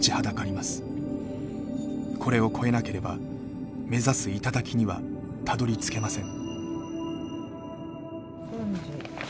これを越えなければ目指す頂にはたどりつけません。